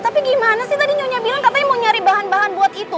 tapi gimana sih tadi nyonya bilang katanya mau nyari bahan bahan buat itu